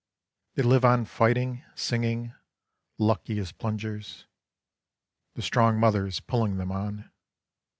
They live on fighting, singing, lucky as plungers. The strong mothers pulling them on